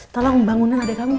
tolong bangunin adek kamu